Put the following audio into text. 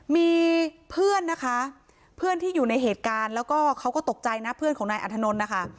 มีเพื่อนนะคะเพื่อนที่อยู่ในเหตุการณ์แล้วก็เขาก็ตกใจนะเพื่อนของนายอัธนนท์นะคะ